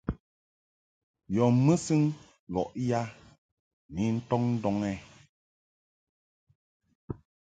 Yɔ mɨsɨŋ lɔʼ ya ni ntɔŋ ndɔŋ ɛ ?